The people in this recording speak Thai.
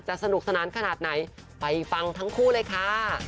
สนุกสนานขนาดไหนไปฟังทั้งคู่เลยค่ะ